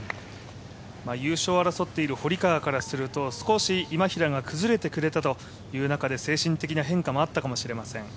優勝を争っている堀川からすると今平が少し崩れてくれたという中で精神的な変化もあったかもしれません。